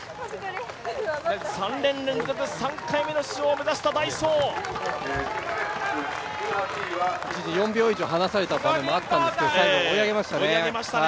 ３年連続、３回目の出場を目指したダイソー、一時４秒以上離された場面もありましたが、最後、追い上げましたね。